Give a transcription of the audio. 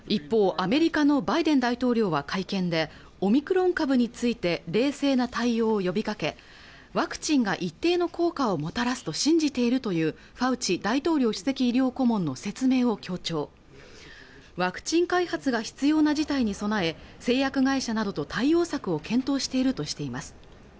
、アメリカのバイデン大統領は会見でオミクロン株について冷静な対応を呼びかけワクチンが一定の効果をもたらすと信じているというファウチ大統領首席医療顧問の説明を強調ワクチン開発が必要な事態に備え製薬会社などと対応策を検討しているとしています